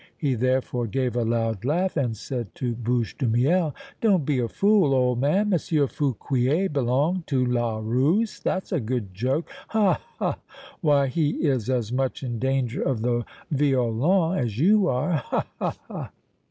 He, therefore, gave a loud laugh and said to Bouche de Miel: "Don't be a fool, old man! Monsieur Fouquier belong to la rousse! That's a good joke! ha! ha! Why he is as much in danger of the violon as you are! ha! ha!"